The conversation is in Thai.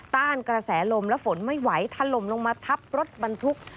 ต้านกระแสลมและฝนไม่ไหวถล่มลงมาทับรถบรรทุก